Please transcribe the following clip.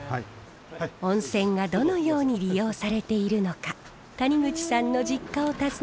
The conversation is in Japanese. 温泉がどのように利用されているのか谷口さんの実家を訪ねました。